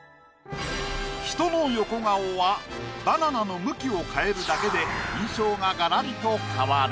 人の横顔はバナナの向きを変えるだけで印象ががらりと変わる。